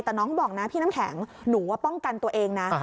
แต่น้องก็บอกนะพี่น้ำแข็งหนูว่าป้องกันตัวเองนะ